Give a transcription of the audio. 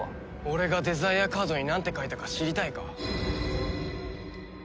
俺がデザイアカードになんて書いたか知りたいか？